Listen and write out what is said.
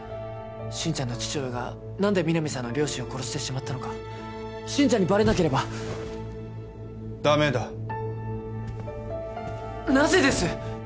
心ちゃんの父親が何で皆実さんの両親を殺してしまったのか心ちゃんにバレなければダメだなぜです！？